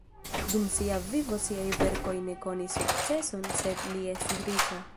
Dum sia vivo siaj verkoj ne konis sukceson sed li estis riĉa.